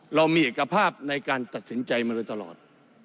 เรามีเอกภาพในการตัดสินใจมาโดยตลอด